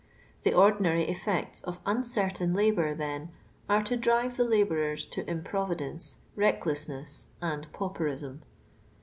The ordinary effects of uncrrtain lalH)ur, then, are to drive the labouriTS t«> improvidence, reck lessness, and pauperism.